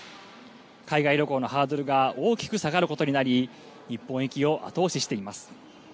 海外旅行のハードルが大きく下がることになり、日本行きを後押ししています。